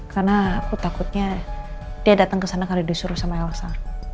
karena aku takutnya dia datang ke sana kalau disuruh sama elsa